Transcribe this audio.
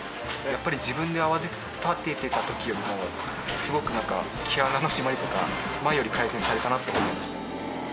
やっぱり自分で泡立ててた時よりもすごくなんか毛穴の締まりとか前より改善されたなと思いました。